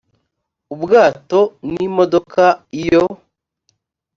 ubwato n imodoka iyo